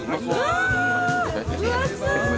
わ分厚い！